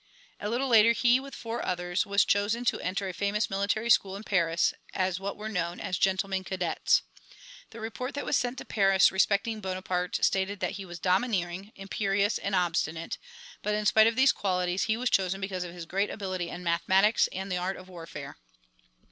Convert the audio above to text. A little later he, with four others, was chosen to enter a famous military school in Paris as what were known as "gentlemen cadets." The report that was sent to Paris respecting Bonaparte stated that he was domineering, imperious, and obstinate, but in spite of these qualities he was chosen because of his great ability in mathematics and the art of warfare.